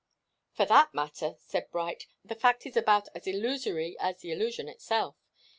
"For that matter," said Bright, "the fact is about as illusory as the illusion itself.